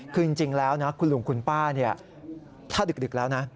คือจริงแล้วนะคุณลุงคุณป้าถ้าดึกแล้วนะ